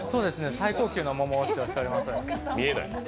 最高級の桃を使用しております。